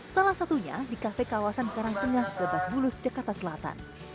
salah satunya di kafe kawasan karangtengah lebak bulus jakarta selatan